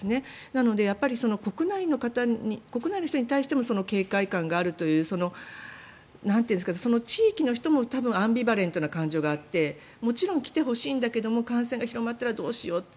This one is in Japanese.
なので国内の人に対しても警戒感があるというその地域の人もアンビバレントな感情があってもちろん来てほしいんだけど感染が広まったらどうしようって。